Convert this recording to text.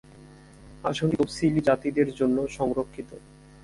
আসনটি তফসিলি জাতিদের জন্য সংরক্ষিত।